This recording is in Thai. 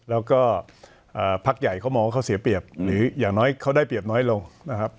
แล้วก็พักใหญ่เขามองว่าเขาเสียเปรียบหรืออย่างน้อยเขาได้เปรียบน้อยลงนะครับ